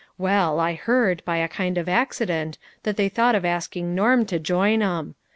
Well, I heard, by a kind of accident, that they thought of asking Norm to join 'em.